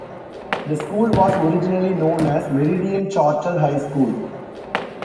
The school was originally known as Meridian Charter High School.